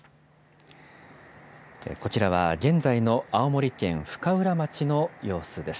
こちらは現在の青森県深浦町の様子です。